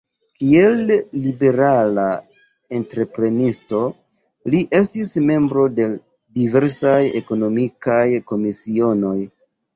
Kiel liberala entreprenisto li estis membro de diversaj ekonomikaj komisionoj.